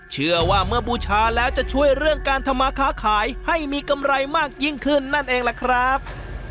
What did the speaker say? เชื่อว่าเมื่อบูชาแล้วจะช่วยเรื่องการทำมาค้าขายให้มีกำไรมากยิ่งขึ้นนั่นเองล่ะครับ